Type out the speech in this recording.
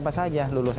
atau judge dari umur dia